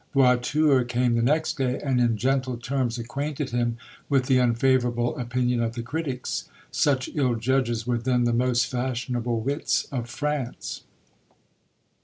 Voiture came the next day, and in gentle terms acquainted him with the unfavourable opinion of the critics. Such ill judges were then the most fashionable wits of France!